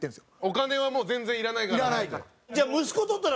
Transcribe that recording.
お金はもう全然いらないからっつって。